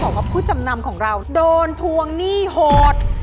ว่าผู้จำนำของเราโดนทวงหนี้โหด